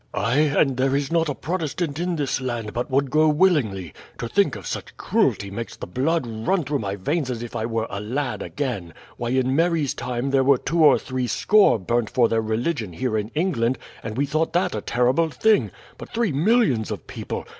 "Ay, and there is not a Protestant in this land but would go willingly. To think of such cruelty makes the blood run through my veins as if I were a lad again. Why, in Mary's time there were two or three score burnt for their religion here in England, and we thought that a terrible thing. But three millions of people!